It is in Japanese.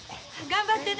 頑張って！